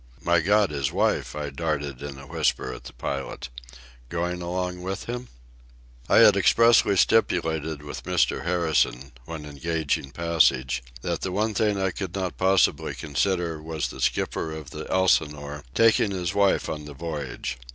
"My God!—his wife!" I darted in a whisper at the pilot. "Going along with him? ..." I had expressly stipulated with Mr. Harrison, when engaging passage, that the one thing I could not possibly consider was the skipper of the Elsinore taking his wife on the voyage.